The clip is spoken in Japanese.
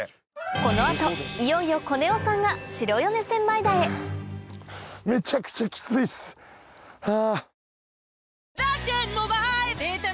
この後いよいよコネオさんが白米千枚田へめちゃくちゃキツいっすハァ。